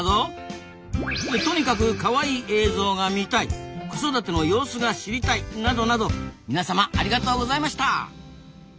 「とにかくカワイイ映像が見たい」「子育ての様子が知りたい」などなど皆様ありがとうございました！